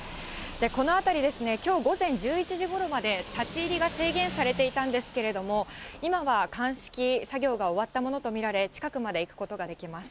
この辺り、きょう午前１１時ごろまで、立ち入りが制限されていたんですけれども、今は鑑識作業が終わったものとみられ、近くまで行くことができます。